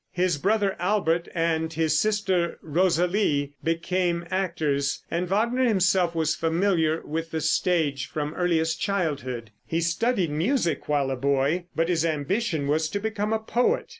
His brother Albert and his sister Rosalie became actors, and Wagner himself was familiar with the stage from earliest childhood. He studied music while a boy, but his ambition was to become a poet.